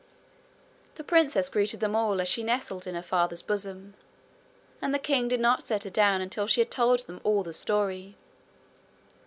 The princess greeted them all as she nestled in her father's bosom, and the king did not set her down until she had told them all the story.